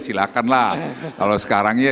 silakan lah kalau sekarangnya